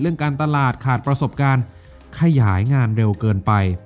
การตลาดขาดประสบการณ์ขยายงานเร็วเกินไป